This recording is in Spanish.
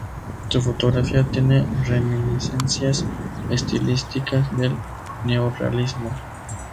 Su fotografía tiene reminiscencias estilísticas del neorrealismo.